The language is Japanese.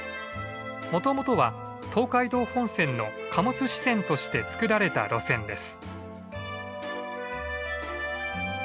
もともとは東海道本線の貨物支線として造られた路線です。